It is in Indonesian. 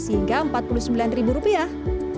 delapan belas hingga empat puluh sembilan ribu rupiah